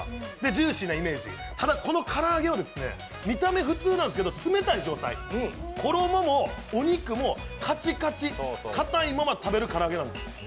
ジューシーなイメージ、ただこの、から揚げ見た目普通なんですけど、冷たい状態、衣もお肉もカチカチ、かたいまま食べるから揚げなんです。